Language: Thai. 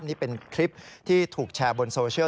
นี่เป็นคลิปที่ถูกแชร์บนโซเชียล